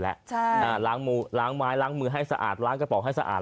ล้างมือล้างไม้ล้างมือให้สะอาดล้างกระป๋องให้สะอาด